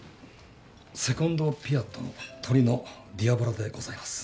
セコンドピアットの鶏のディアボラでございます。